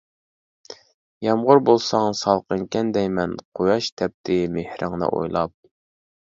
يامغۇر بولساڭ سالقىنكەن دەيمەن، قۇياش تەپتى مېھرىڭنى ئويلاپ.